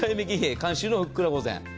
監修のふっくら御膳。